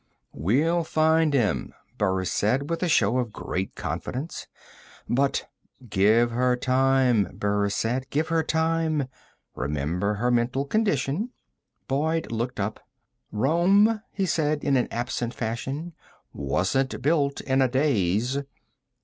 "We'll find him," Burris said with a show of great confidence. "But " "Give her time," Burris said. "Give her time. Remember her mental condition." Boyd looked up. "Rome," he said in an absent fashion, "wasn't built in a daze."